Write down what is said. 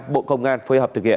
bộ công an phối hợp thực hiện